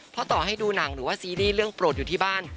เพราะต่อให้ดูหนังหรือว่าซีรีส์เรื่องโปรดอยู่ที่บ้าน